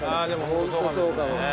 ホントそうかも。